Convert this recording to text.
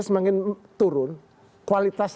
semakin turun kualitas